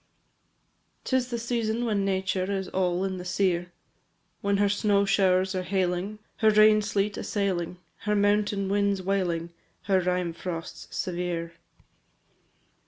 IV. 'Tis the season when nature Is all in the sere, When her snow showers are hailing, Her rain sleet assailing, Her mountain winds wailing, Her rime frosts severe.